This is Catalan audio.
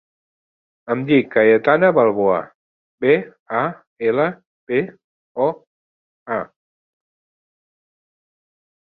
Em dic Cayetana Balboa: be, a, ela, be, o, a.